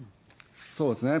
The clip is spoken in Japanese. そうですね。